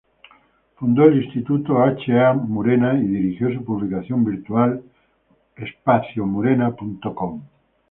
Fundó el Instituto H. A. Murena y dirigió su publicación virtual: www.espaciomurena.com.